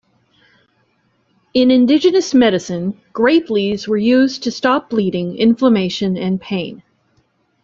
In indigenous medicine, grape leaves were used to stop bleeding, inflammation, and pain.